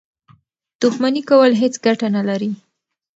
دښمني کول هېڅ ګټه نه لري.